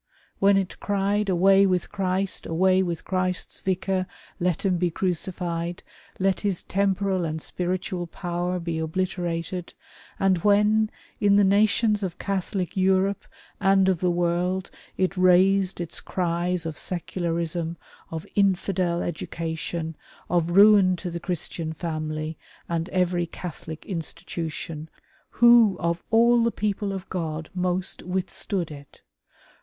When it cried — away with Christ — away with Christ's Vicar — let him be crucified — let his temporal and spiritual power be obliterated — and when, in the nations of Catholic Europe, and of the world, it raised its cries of secularism, of infidel education, of ruin to the Christian family and every Catholic institution, who of all the people of God most withstood it